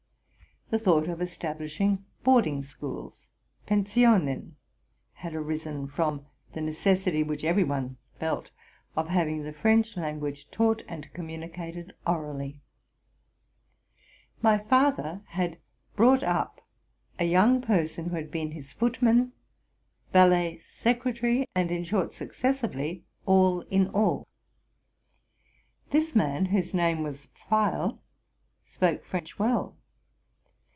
The thought of establishing boarding schools (Pensionen) had arisen from the necessity, which every one felt, of hav ing the French language taught and communicated orally. M y father had brought up a young person, who had been his footman, valet, secretary, and in short successively all in all. This man, whose name was Pfeil, spoke French well.